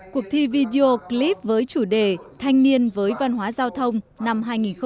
cuộc thi video clip với chủ đề thanh niên với văn hóa giao thông năm hai nghìn một mươi chín